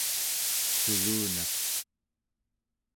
sulunaq